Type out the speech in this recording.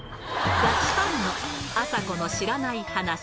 ガチファンのあさこが知らない話。